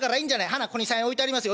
はなここに３円置いてありますよ